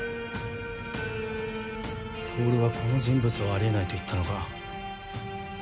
透はこの人物をあり得ないと言ったのか。